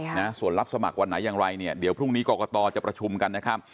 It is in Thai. นะส่วนรับสมัครวันไหนอย่างไรเนี่ยเดี๋ยวพรุ่งนี้กรกตจะประชุมกันนะครับ